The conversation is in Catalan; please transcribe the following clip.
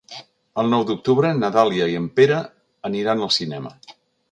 El nou d'octubre na Dàlia i en Pere aniran al cinema.